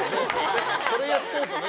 それやっちゃうとね。